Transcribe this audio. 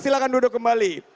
silahkan duduk kembali